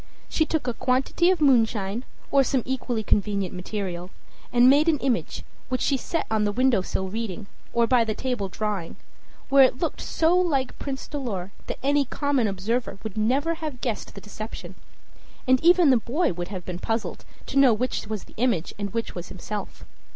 She took a quantity of moonshine, or some equally convenient material, and made an image, which she set on the window sill reading, or by the table drawing, where it looked so like Prince Dolor that any common observer would never have guessed the deception; and even the boy would have been puzzled to know which was the image and which was himself.